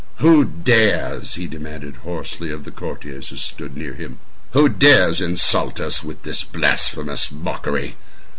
"Who dares?" he demanded hoarsely of the courtiers who stood near him—"who dares insult us with this blasphemous mockery?